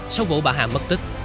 sau vụ bà hà mất tích